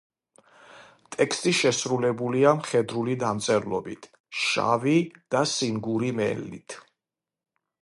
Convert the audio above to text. ტექსტი შესრულებულია მხედრული დამწერლობით, შავი და სინგური მელნით.